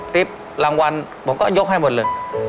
ติ๊บรางวัลผมก็ยกให้หมดเลย